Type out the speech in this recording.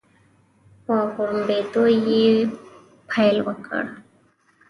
په غړمبېدو يې پیل وکړ او ويې ویل: افریقانا.